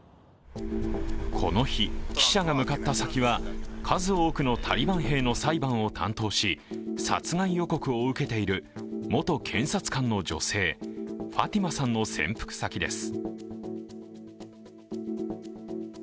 この日、貴社が向かった先は数多くのタリバン兵の裁判を担当し殺害予告を受けている元検察官の女性ファティマさんの潜伏先です。